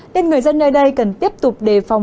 nên người dân nơi đây cần tiếp tục đề phòng